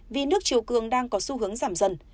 vì nước chiều cường đang có xu hướng giảm dần